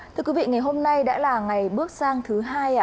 thưa quý vị ngày hôm nay đã là ngày bước sang thứ hai